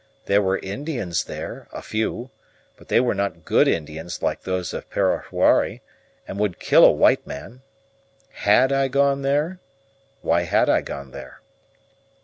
There were Indians there, a few; but they were not good Indians like those of Parahuari, and would kill a white man. HAD I gone there? Why had I gone there?